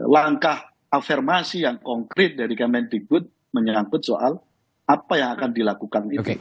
langkah afirmasi yang konkret dari kemendikbud menyangkut soal apa yang akan dilakukan itu